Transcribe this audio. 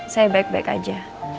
saya baik baik aja